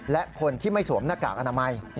และคนที่ไม่สวมหน้ากากอนามัย